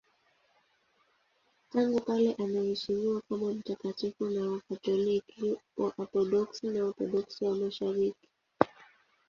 Tangu kale anaheshimiwa kama mtakatifu na Wakatoliki, Waorthodoksi na Waorthodoksi wa Mashariki.